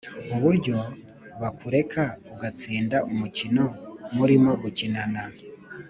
Uburyo bakureka ugatsinda umukino murimo gukinana